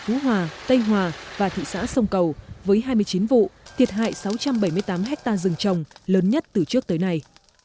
và các rừng lớn là huyện phú hòa tây hòa và thị xã sông cầu với hai mươi chín vụ thiệt hại sáu trăm bảy mươi tám hectare rừng trồng lớn nhất từ trước tới nay